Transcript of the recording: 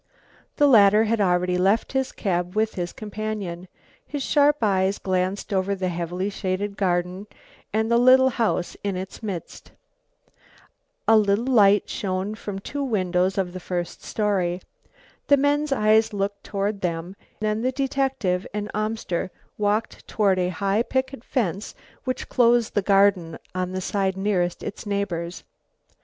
The latter had already left his cab with his companion. His sharp eyes glanced over the heavily shaded garden and the little house in its midst. A little light shone from two windows of the first story. The men's eyes looked toward them, then the detective and Amster walked toward a high picket fence which closed the garden on the side nearest its neighbours.